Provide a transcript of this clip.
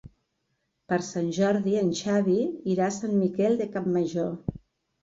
Per Sant Jordi en Xavi irà a Sant Miquel de Campmajor.